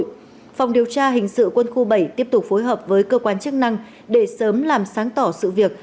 phòng điều tra hình sự quân khu bảy tiếp tục phối hợp với cơ quan chức năng để sớm làm sáng tỏ sự việc